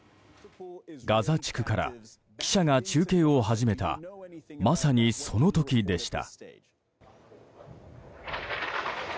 ガザ地区から記者が中継を始めたまさにその時でした。